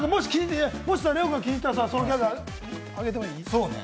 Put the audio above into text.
ＬＥＯ君、気に入ったら、そのギャグあげてもいい？